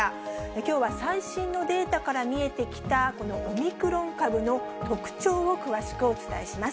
きょうは最新のデータから見えてきた、このオミクロン株の特徴を詳しくお伝えします。